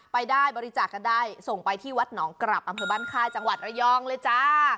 ไปได้บริจาคกันได้ส่งไปที่วัดหนองกลับอำเภอบ้านค่ายจังหวัดระยองเลยจ้า